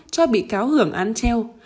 cho bị cáo hưởng án treo